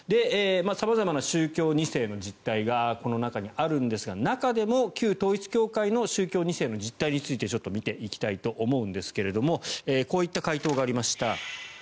様々な宗教２世の実態がこの中にあるんですが中でも旧統一教会の宗教２世の実態についてちょっと見ていきたいと思うんですけれどもこういった回答がありました。